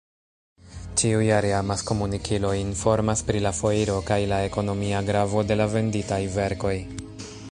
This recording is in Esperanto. Ĉiujare amaskomunikiloj informas pri la foiro kaj la ekonomia gravo de la venditaj verkoj.